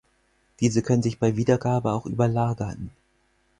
Diese können sich bei Wiedergabe auch überlagern.